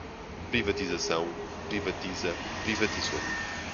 Privatização, privatiza, privatizou